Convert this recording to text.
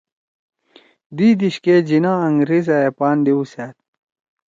دِیئی دیِشکے جناح أنگریزا ئے پان دیؤسأد